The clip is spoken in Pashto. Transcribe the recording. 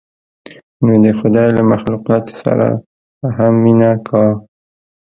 نو د خداى له مخلوقاتو سره به هم مينه کا.